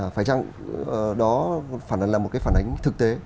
phải chăng đó là một phản ánh thực tế